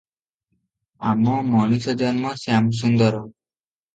ଆମ ମଣିଷଜନ୍ମ ଶ୍ୟାମସୁନ୍ଦର ।